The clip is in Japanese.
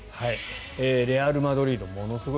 レアル・マドリードものすごい